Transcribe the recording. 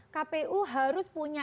kpu harus punya